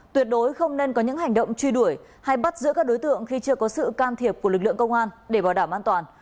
tuyệt đối không nên có những hành động truy đuổi hay bắt giữ các đối tượng khi chưa có sự can thiệp của lực lượng công an để bảo đảm an toàn